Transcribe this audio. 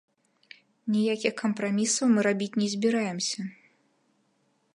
Ніякіх кампрамісаў мы рабіць не збіраемся.